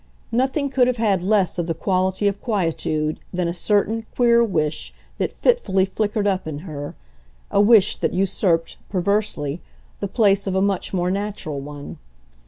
Nothing could have had less of the quality of quietude than a certain queer wish that fitfully flickered up in her, a wish that usurped, perversely, the place of a much more natural one.